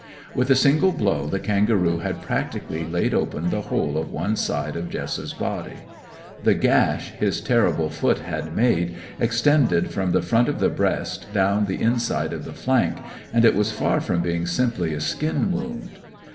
With a single blow the kangaroo had practically laid open the whole of one side of Jess's body. The gash his terrible foot had made extended from the front of the breast down to the inside of the flank; and it was far from being simply a skin wound.